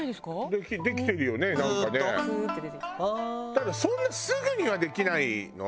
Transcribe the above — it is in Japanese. ただそんなすぐにはできないの？